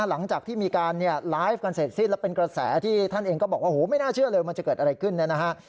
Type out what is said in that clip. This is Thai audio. หลังจากที่มีการไลฟ์กันเสร็จสิ้นแล้วเป็นกระแสที่ท่านเองก็บอกว่าโหไม่น่าเชื่อเลยมันจะเกิดอะไรขึ้นเนี่ยนะฮะ